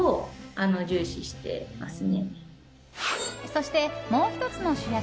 そして、もう１つの主役